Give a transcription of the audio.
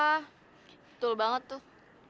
betul banget tuh